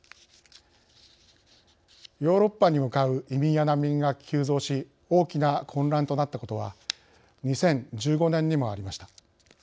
ヨーロッパに向かう移民や難民が急増し大きな混乱となったことは２０１５年にもありました。